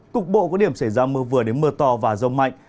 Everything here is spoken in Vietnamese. cục bộ có điểm xảy ra mưa vừa đến mưa to và rông mạnh